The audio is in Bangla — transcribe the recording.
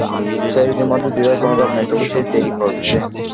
ছেলেটির মধ্যে দ্বিধার কোনো ভাব নেই, তবু সে দেরি করছে।